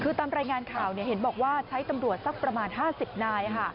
คือตามรายงานข่าวเนี่ยเห็นบอกว่าใช้ตำรวจประมาณ๕๐นายค่ะ